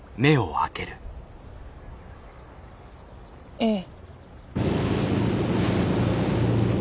ええ。